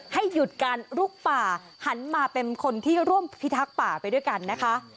ให้หยุดการลุกป่าหันมาเป็นคนที่ร่วมพิทักษ์ป่าไปด้วยกันนะคะ